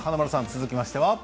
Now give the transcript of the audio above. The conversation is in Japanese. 続きましては。